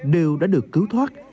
đều đã được cứu thoát